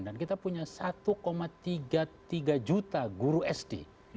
dan kita punya satu tiga puluh tiga juta guru sd